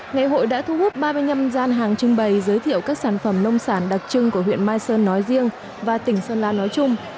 ngày hội đã thu hút ba mươi năm gian hàng trưng bày giới thiệu các sản phẩm nông sản đặc trưng của huyện mai sơn nói riêng và tỉnh sơn la nói chung